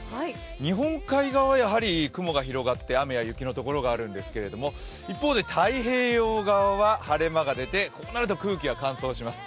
日本海側は雲が広がって雨や雪の所があるんですけど、一方で太平洋側は晴れ間が出てこうなると空気が乾燥します。